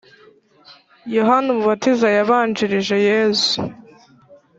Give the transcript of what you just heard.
Yohana umubatiza yabanjirije yesu